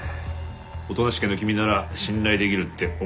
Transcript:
音無家の君なら信頼できるって思い出してね